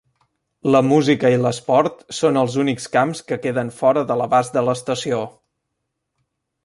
La música i l'esport són els únics camps que queden fora de l'abast de l'estació.